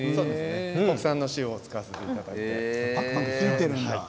国産の塩を使わせていただいています。